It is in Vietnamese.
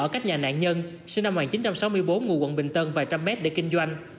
các nhà nạn nhân sinh năm một nghìn chín trăm sáu mươi bốn ngủ quận bình tân vài trăm mét để kinh doanh